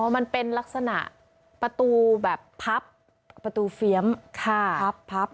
มันเป็นลักษณะประตูแบบพับประตูเฟียมพับ